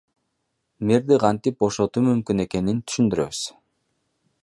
Мэрди кантип бошотуу мүмкүн экенин түшүндүрөбүз.